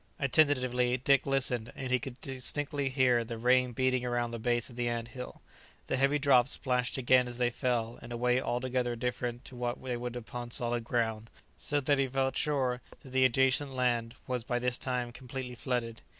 Attentively Dick listened, and he could distinctly hear the rain beating around the base of the ant hill; the heavy drops splashed again as they fell, in a way altogether different to what they would upon solid ground, so that he felt sure that the adjacent land was by this time completely flooded.